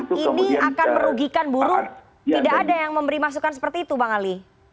apakah ini akan merugikan buruh tidak ada yang memberi masukan seperti itu bang ali